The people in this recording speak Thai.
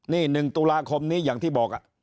นี่๑ตุลาคมนี้อย่างที่บอก